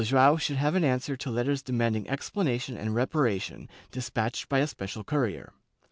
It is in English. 260 JEWS [Book VIII Joao should have an answer to letters demanding explanation and reparation, despatched by a special courier.